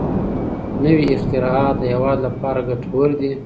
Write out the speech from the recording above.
نوي اختراعات د هېواد لپاره ګټور دي.